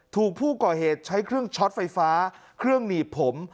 ถูกผู้ก่อเหตุใช้เครื่องช็อตไฟฟ้าเครื่องหนีบผม